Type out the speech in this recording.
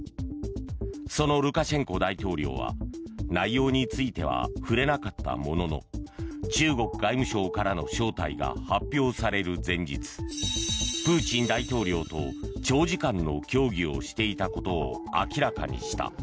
そのルカシェンコ大統領は内容については触れなかったものの中国外務省からの招待が発表される前日プーチン大統領と長時間の協議をしていたことを明らかにした。